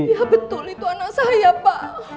iya betul itu anak saya pak